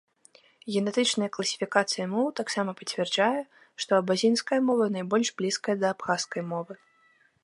Генетычная класіфікацыя моў таксама пацвярджае, што абазінская мова найбольш блізкая да абхазскай мовы.